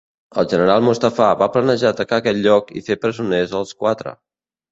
El general Mustafà va planejar atacar aquest lloc i fer presoners als quatre.